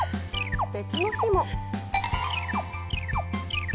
別の日も。